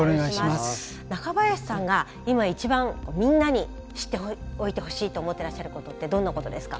中林さんが今一番みんなに知っておいてほしいと思ってらっしゃることってどんなことですか？